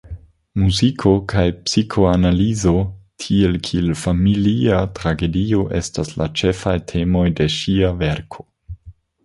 Muziko kaj psikoanalizo, tiel kiel familia tragedio estas la ĉefaj temoj de ŝia verko.